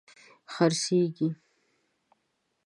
خرڅیږې